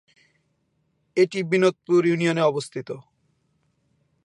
এটি বিনোদপুর ইউনিয়নে অবস্থিত।